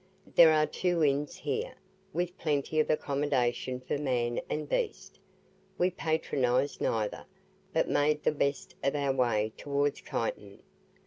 There are two inns here, with plenty of accommodation for man and beast. We patronized neither, but made the best of our way towards Kyneton.